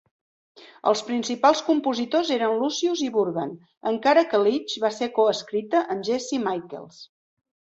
Els principals compositors eren Luscious i Burgan, encara que Leech va ser coescrita amb Jesse Michaels.